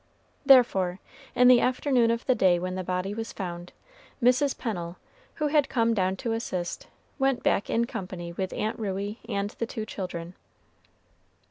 Therefore, in the afternoon of the day when the body was found, Mrs. Pennel, who had come down to assist, went back in company with Aunt Ruey and the two children.